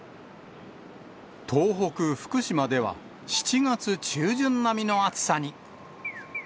東北、福島では、７月中旬並みの暑さに。